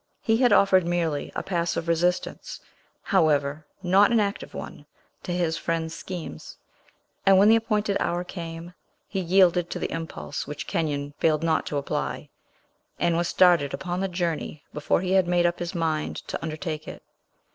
He had offered merely a passive resistance, however, not an active one, to his friend's schemes; and when the appointed hour came, he yielded to the impulse which Kenyon failed not to apply; and was started upon the journey before he had made up his mind to undertake it.